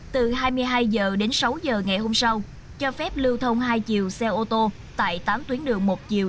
từ hai mươi hai h đến sáu h ngày hôm sau cho phép lưu thông hai chiều xe ô tô tại tám tuyến đường một chiều